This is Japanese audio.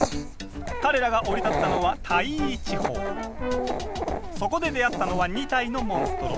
彼らが降り立ったのはそこで出会ったのは２体のモンストロ。